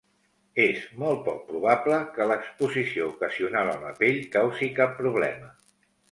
És molt poc probable que l'exposició ocasional a la pell causi cap problema.